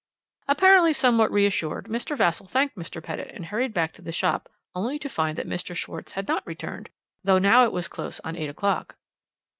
"Apparently somewhat reassured, Mr. Vassall thanked Mr. Pettitt and hurried back to the shop, only to find that Mr. Schwarz had not returned, though it was now close on eight o'clock.